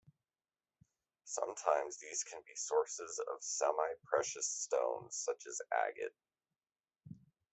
Sometimes these can be sources of semi-precious stones such as agate.